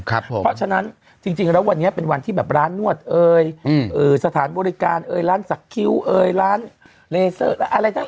เพราะฉะนั้นจริงแล้ววันนี้เป็นวันที่แบบร้านนวดเอ่ยสถานบริการเอ่ยร้านสักคิ้วเอยร้านเลเซอร์และอะไรทั้ง